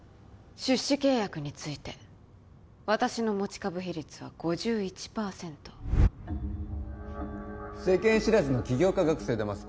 出資契約について私の持ち株比率は５１％世間知らずの起業家学生だます